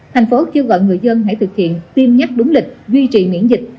thành phố kêu gọi người dân hãy thực hiện tiêm nhắc đúng lịch duy trì miễn dịch